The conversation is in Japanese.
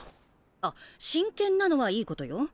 あっ真剣なのはいいことよ。